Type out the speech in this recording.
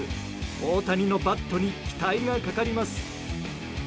大谷のバットに期待がかかります。